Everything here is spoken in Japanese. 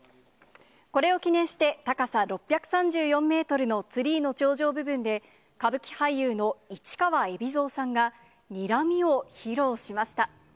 これを記念して、高さ６３４メートルのツリーの頂上部分で、歌舞伎俳優の市川海老蔵さんが、にらみを披露しました。